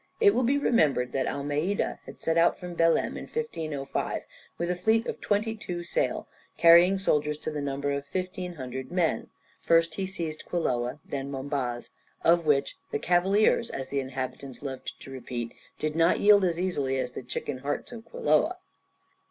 It will be remembered that Almeida had set out from Belem in 1505 with a fleet of twenty two sail, carrying soldiers to the number of 1500 men. First he seized Quiloa and then Mombaz, of which the "cavaliers, as the inhabitants loved to repeat, did not yield as easily as the chicken hearts of Quiloa."